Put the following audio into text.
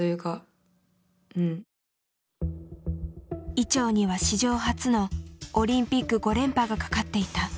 伊調には史上初のオリンピック５連覇がかかっていた。